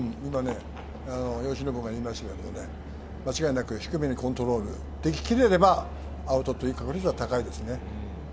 由伸が言いましたけど、間違いなく低めにコントロールでき切れればアウトの確率は高いですね。